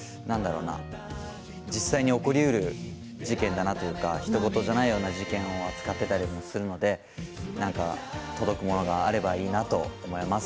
実際に起こりうる事件だなというかひと事じゃないような事件を扱っていたりするので届くものがあればいいなと思います。